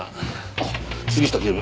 あっ杉下警部。